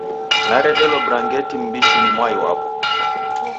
Naredelo brangeti m'mbishi ni mwai wapo.